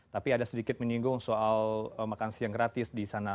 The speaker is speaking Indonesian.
tapi ada sedikit menyinggung soal makan siang gratis di sana